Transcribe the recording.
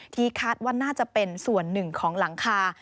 คาดว่าน่าจะเป็นส่วนหนึ่งของหลังคา